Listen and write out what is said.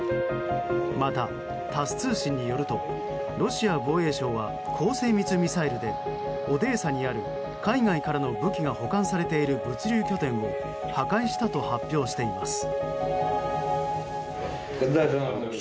また、タス通信によるとロシア防衛省は高精密ミサイルでオデーサにある海外からの武器が保管されている物流拠点を破壊したと発表しています。